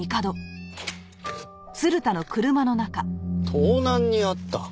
盗難に遭った？